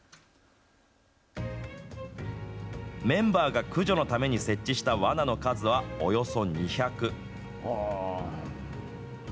メンバーが駆除のために設置したわなの数は、およそ２００。